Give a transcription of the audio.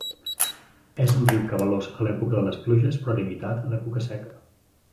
És un riu cabalós a l'època de les pluges, però limitat a l'època seca.